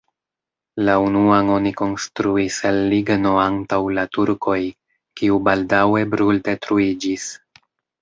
La unuan oni konstruis el ligno antaŭ la turkoj, kiu baldaŭe bruldetruiĝis.